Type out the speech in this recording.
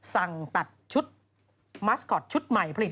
สั่งตัดชุดมัสกอตชุดใหม่ผลิต